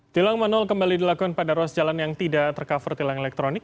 tilang manol kembali dilakukan pada ruas jalan yang tidak tercover tilang elektronik